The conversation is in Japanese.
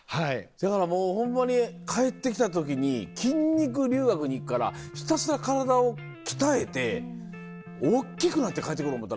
せやからもうホンマに帰ってきた時に筋肉留学に行くからひたすら体を鍛えて大っきくなって帰ってくる思うたら。